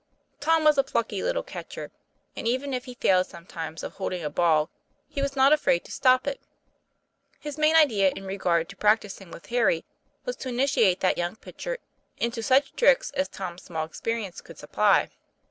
Tom was a plucky little catcher, and even if he failed sometimes of holding a ball he was not afraid to stop it. His main idea in regard to practising with Harry was to initiate that young pitcher into such tricks as Tom's small experience could supply.